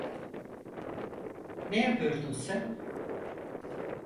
Ne yapıyordun sen?